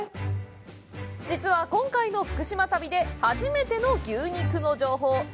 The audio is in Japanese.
実は、今回の福島旅で初めての牛肉の情報。